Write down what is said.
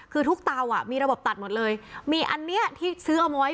คือทุกเตาอ่ะมีระบบตัดหมดเลยมีอันเนี้ยที่ซื้อเอาไว้